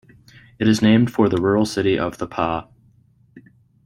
It is named for the rural city of The Pas.